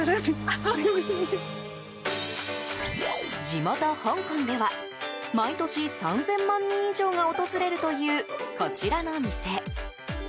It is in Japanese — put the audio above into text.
地元、香港では毎年３０００万人以上が訪れるという、こちらの店。